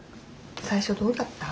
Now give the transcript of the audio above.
最初どうだった？